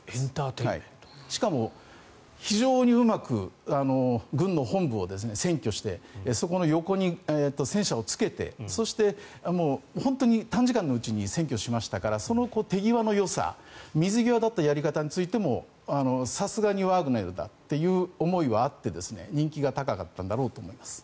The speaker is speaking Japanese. しかも非常にうまく軍の本部を占拠してそこの横に戦車をつけてそして本当に短時間のうちに占拠しましたからその手際のよさ水際立ったやり方のよさについてもさすがにワグネルだっていう思いはあって人気が高かったんだろうと思います。